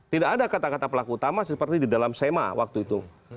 tidak ada kata kata pelaku utama seperti di dalam sema waktu itu